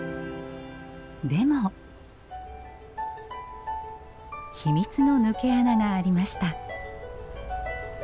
でも秘密の抜け穴がありました。